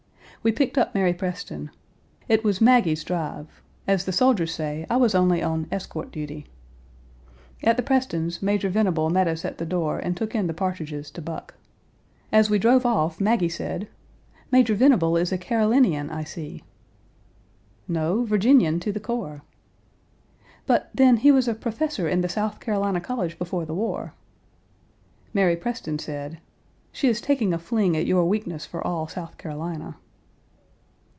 We picked up Mary Preston. It was Maggie's drive; as the soldiers say, I was only on "escort duty." At the Prestons', Major Venable met us at the door and took in the partridges to Buck. As we drove off Maggie said: "Major Venable is a Carolinian, I see." "No; Virginian to the core." "But, then, he was a professor in the South Carolina College before the war." Mary Preston said: "She is taking a fling at your weakness for all South Carolina."